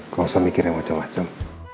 kau usah mikir yang macem macem